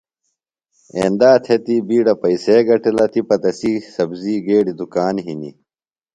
ایندا تھےۡ تی بِیڈہ پیئسے گِٹلہ تِپہ تسی سبزی گیڈیۡ دُکان ہِنیۡ.